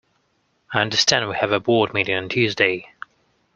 I understand we have a board meeting on Tuesday